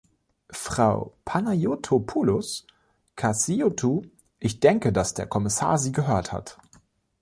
Frau Panayotopoulos-Cassiotou, ich denke, dass der Kommissar Sie gehört hat.